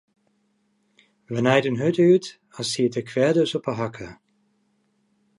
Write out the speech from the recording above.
Wy naaiden hurd út as siet de kweade ús op 'e hakke.